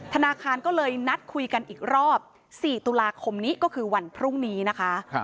ธนาคารก็เลยนัดคุยกันอีกรอบ๔ตุลาคมนี้ก็คือวันพรุ่งนี้นะคะ